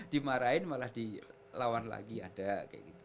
dimarahin malah dilawan lagi ada kayak gitu